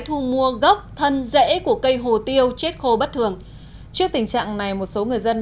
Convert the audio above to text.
thu mua gốc thân rễ của cây hồ tiêu chết khô bất thường trước tình trạng này một số người dân